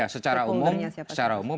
perpuluhannya siapa saja ya secara umum